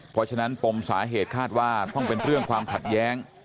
เพราะฉะนั้นปมสาเหตุคาดว่าต้องเป็นเรื่องความขัดแย้ง